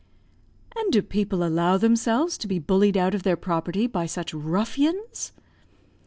"And do people allow themselves to be bullied out of their property by such ruffians?"